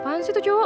apaan sih tuh cowok